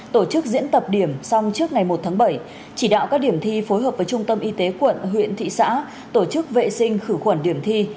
tổ chức diễn tập điểm xong trước ngày một tháng bảy chỉ đạo các điểm thi phối hợp với trung tâm y tế quận huyện thị xã tổ chức vệ sinh khử khuẩn điểm thi